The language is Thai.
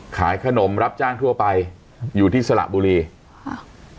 ขายขนมรับจ้างทั่วไปอยู่ที่สระบุรีค่ะ